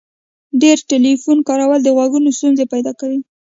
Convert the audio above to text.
ډیر ټلیفون کارول د غوږو ستونزي پیدا کوي.